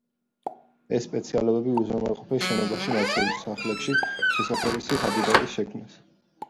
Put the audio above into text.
ეს სპეციალობები უზრუნველყოფენ შენობებში, მათ შორის სახლებში შესაფერისი ჰაბიტატის შექმნას.